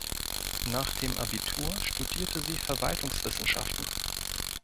Nach dem Abitur studierte sie Verwaltungswissenschaften.